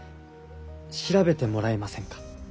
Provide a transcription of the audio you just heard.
調べてもらえませんか？